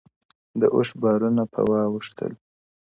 د اوښ بـارونـه پـــه واوښـتـل.!